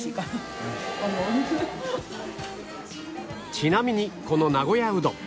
ちなみにこの名古屋うどん